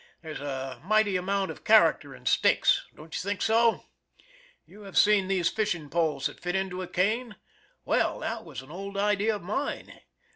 There's a mighty amount of character in sticks. Don't you think so? You have seen these fishing poles that fit into a cane? Well, that was an old idea of mine.